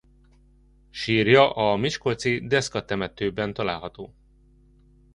Sírja a Miskolci Deszka temetőben található.